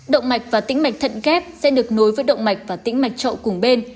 động mạch và tính mạch thận ghép sẽ được nối với động mạch và tính mạch trộn cùng bên